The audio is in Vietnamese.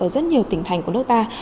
rất nhiều tỉnh thành của nước ta